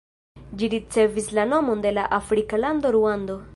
Ĝi ricevis la nomon de la afrika lando Ruando.